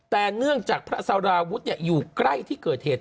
แต่เนื่องจากพระสาราวุฒิอยู่ใกล้ที่เกิดเหตุ